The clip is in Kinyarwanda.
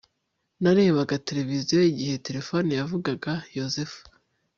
narebaga televiziyo igihe terefone yavugaga yozefu